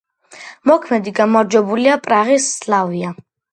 მოქმედი გამარჯვებულია პრაღის „სლავია“.